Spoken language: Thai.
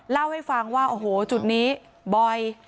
เล่าให้ฟังว่าโอ้โหจุดนี้บ่อย